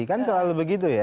kan selalu begitu ya